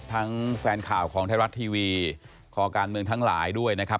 แฟนข่าวของไทยรัฐทีวีคอการเมืองทั้งหลายด้วยนะครับ